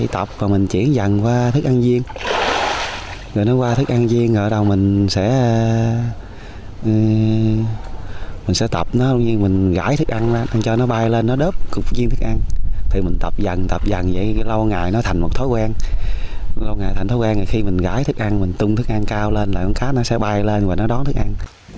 thói quen lâu ngày thành thói quen là khi mình gãi thức ăn mình tung thức ăn cao lên là con cá nó sẽ bay lên và nó đón thức ăn